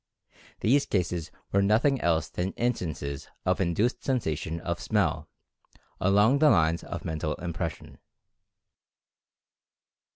These cases were noth ing else than instances of induced sensation of smell, along the lines of Mental Impression.